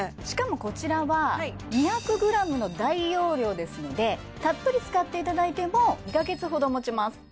しかもこちらは２００ｇの大容量ですのでたっぷり使っていただいても２カ月ほどもちます